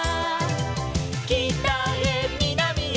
「きたへみなみへ」